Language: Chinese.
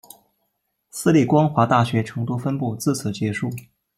私立光华大学成都分部自此结束。